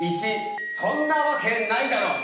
１「そんなわけないだろ」